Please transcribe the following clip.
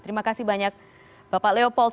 terima kasih banyak bapak leo pol